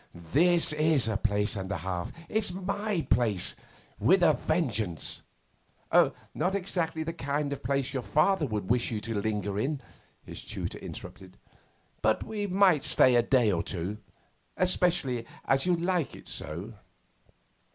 This is a place and a half. It's my place with a vengeance !' 'Not exactly the kind of place your father would wish you to linger in,' his tutor interrupted. 'But we might stay a day or two especially as you like it so.